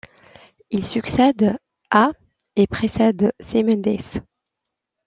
Il succède à et précède Smendès.